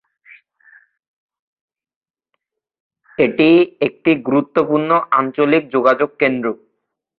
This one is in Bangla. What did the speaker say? এটি একটি গুরুত্বপূর্ণ আঞ্চলিক যোগাযোগ কেন্দ্র।